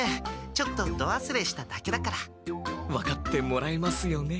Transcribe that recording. ちょっとドわすれしただけだから。分かってもらえますよね？